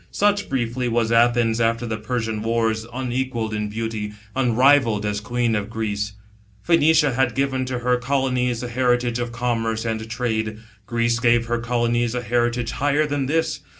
, Such, briqfly, was Athens after the Persian wars, unequalled in beauty, unrivalled as queen of Greece. Phoenicia had given to her colonies the heritage of commerce and trade. Greece gave her colonies a higher heritage than this.